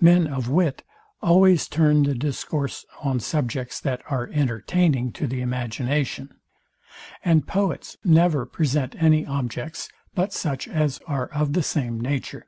Men of wit always turn the discourse on subjects that are entertaining to the imagination; and poets never present any objects but such as are of the same nature.